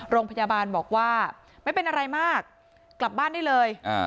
โรงพยาบาลบอกว่าไม่เป็นอะไรมากกลับบ้านได้เลย